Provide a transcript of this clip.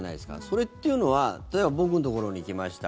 それっていうのは例えば、僕のところに来ました